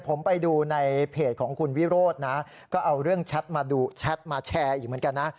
ผมไปดูในเพจของคุณวิโรธนะก็เอาเรื่องแชทมาดูแชทมาแชร์อีกเหมือนกันนะ